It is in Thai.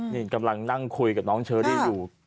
นี่กำลังนั่งคุยกับน้องเชอรี่อยู่